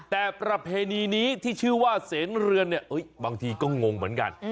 แต่ประเพณีนี้ที่ชื่อว่าเสนเรือนเนี่ยบางทีก็งงเหมือนกัน